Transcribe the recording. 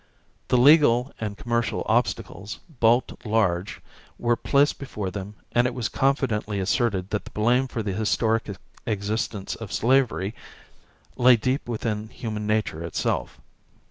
The legal and commercial obstacles, bulked large, were placed before them and it was confidently asserted that the blame for the historic existence of slavery lay deep within human nature itself.